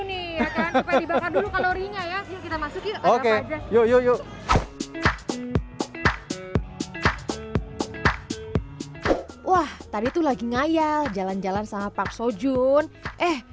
nih ya kan kita masuk oke yuk yuk yuk wah tadi tuh lagi ngayal jalan jalan sama pak sojun eh